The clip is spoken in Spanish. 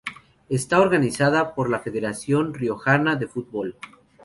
Está organizada por la Federación Riojana de Fútbol.